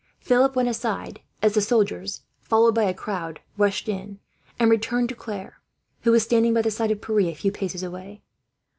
Philip went aside as the soldiers, followed by a crowd, rushed in; and returned to Claire, who was standing by the side of Pierre, a few paces away.